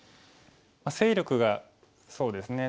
勢力がそうですね